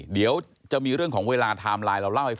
เดี๋ยวจะมีเรื่องของเวลายังไสหน่อยเราเล่าให้ฟังไอสักครู่